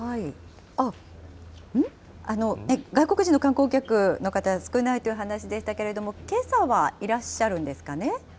外国人の観光客の方、少ないという話でしたけれども、けさはいらっしゃるんですかね？